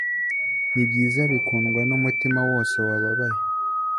nibyiza bikundwa numutima wose wababaye